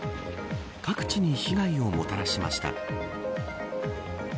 各地に被害をもたらしました。